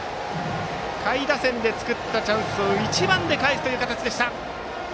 下位打線で作ったチャンスを１番でかえす形でした。